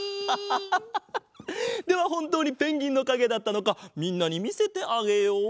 ではほんとうにペンギンのかげだったのかみんなにみせてあげよう。